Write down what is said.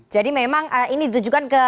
jadi memang ini ditujukan ke